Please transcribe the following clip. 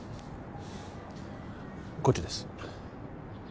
こっちです